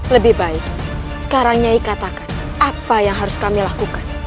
lebih baik sekarang nyai katakan apa yang harus kami lakukan